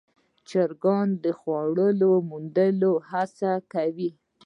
چرګان د خوړو د موندلو هڅه کوي.